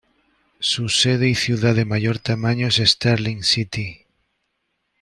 Su sede y ciudad de mayor tamaño es Sterling City.